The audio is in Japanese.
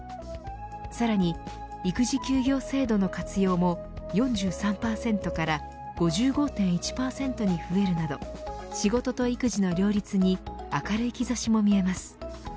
さらに育児休業制度の活用も４３％から５５．１％に増えるなど仕事と育児の両立に明るい兆しも見えます。